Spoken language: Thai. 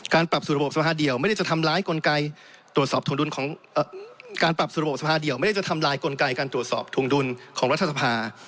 การปรับสู่ระบบสภาเดียวไม่ได้จะทำลายกลไกการตรวจสอบทุงดุลของรัฐธรรมนุษย์